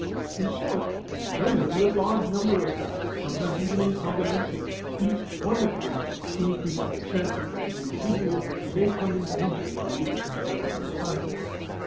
In short, there may be a large number of factors, sometimes even in combination, each one of which increases the chances that the individual may come in danger in the midst of developed society.